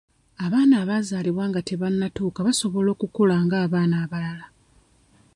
Abaana abazaalibwa nga tebannatuuka basobola okukula ng'abaana abalala .